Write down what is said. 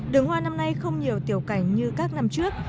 đường hoa năm nay không nhiều tiểu cảnh như các năm trước